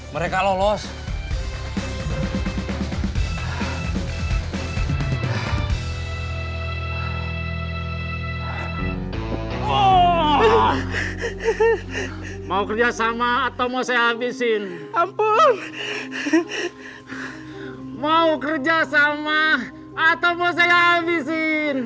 mau kerjasama atau mau saya habisin